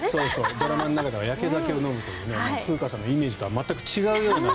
ドラマの中ではやけ酒を飲むという風花さんさんのイメージとは全く違うような。